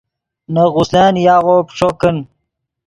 نے غسلن یاغو پیݯو کن